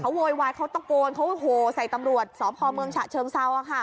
เขาโวยวายเขาตะโกนเขาโหใส่ตำรวจสอบพอเมืองฉะเชิงเศร้าค่ะ